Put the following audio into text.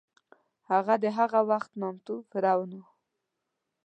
هغه د هغه وخت نامتو فرعون و.